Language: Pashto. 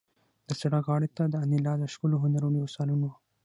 د سړک غاړې ته د انیلا د ښکلو هنرونو یو سالون و